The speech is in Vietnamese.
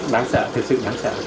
đáng sợ thực sự đáng sợ